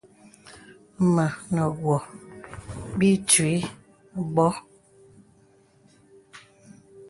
Mə nə wɔ bì ìtwì ləbô.